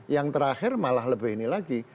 yang terakhir malah lebih ini lagi